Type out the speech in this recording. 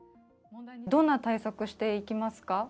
どんな対策をしていきますか？